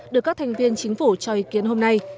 được các thành viên chính phủ cho ý kiến hôm nay